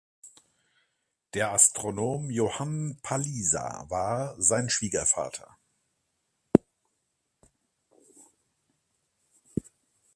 Der Astronom Johann Palisa war sein Schwiegervater.